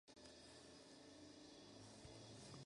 Deli tuvo un pequeño papel en "The Mindy Project.